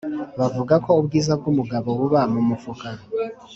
Bavuga ko ubwiza bw’ umugabo buba mu mufuka